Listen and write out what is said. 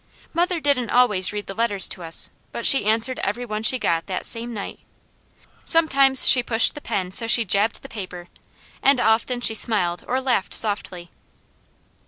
Mother didn't always read the letters to us, but she answered every one she got that same night. Sometimes she pushed the pen so she jabbed the paper, and often she smiled or laughed softly.